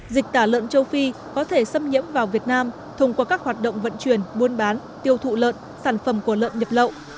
dịch tả lợn châu phi có thể xâm nhiễm vào việt nam thông qua các hoạt động vận chuyển buôn bán tiêu thụ lợn sản phẩm của lợn nhập lậu